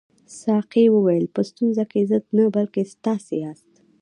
ساقي وویل په ستونزه کې زه نه بلکې تاسي یاست.